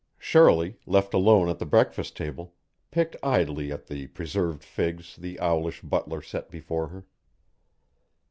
Shirley, left alone at the breakfast table, picked idly at the preserved figs the owlish butler set before her.